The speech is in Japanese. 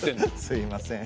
すいません。